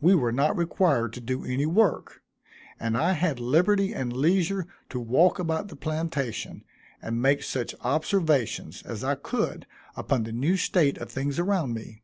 We were not required to do any work; and I had liberty and leisure to walk about the plantation, and make such observations as I could upon the new state of things around me.